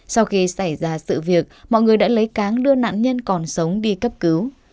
sau khi xảy ra sự việc mọi người đã lấy cáng đưa nạn nhân còn sống đi cấp cứu